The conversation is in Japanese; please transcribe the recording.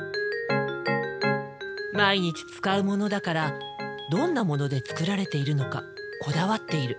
毎日使うものだからどんなもので作られているのかこだわっている。